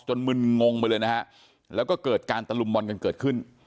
มึนงงไปเลยนะฮะแล้วก็เกิดการตะลุมบอลกันเกิดขึ้น